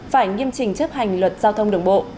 phải nghiêm trình chấp hành luật giao thông đường bộ